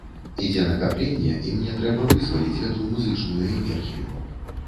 Ідзе накапленне, і мне трэба вызваліць гэту музычную энергію.